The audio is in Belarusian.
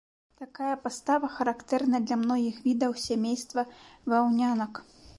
Такая пастава характэрная для многіх відаў сямейства ваўнянак.